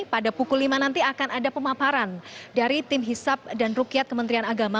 pada pukul lima nanti akan ada pemaparan dari tim hisap dan rukyat kementerian agama